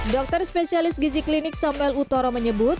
dokter spesialis gizi klinik samuel utoro menyebut